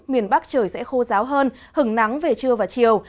miền bắc trời sẽ khô ráo hơn hứng nắng về trưa và chiều